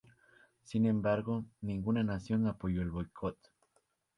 Sin embargo, ninguna nación apoyó el boicot.